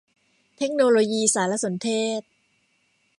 เทคโนโลยีสารสนเทศ